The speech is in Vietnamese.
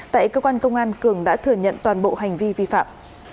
tại cơ quan công an cường đã thừa nhận toàn bộ hành vi vi phạm